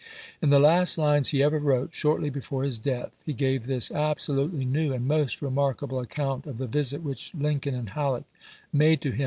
In the last lines he ever wrote, shortly before his death, he gave this absolutely new and most remarkable account of the visit which Lincoln and Halleck made to him 1862.